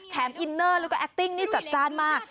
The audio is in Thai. อินเนอร์แล้วก็แอคติ้งนี่จัดจ้านมาก